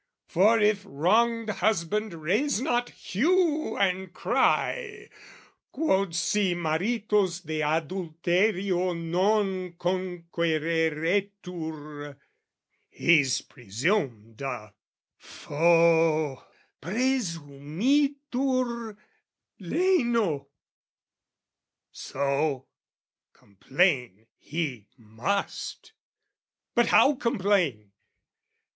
For if wronged husband raise not hue and cry, Quod si maritus de adulterio non Conquereretur, he's presumed a foh! Presumitur leno: so, complain he must. But how complain?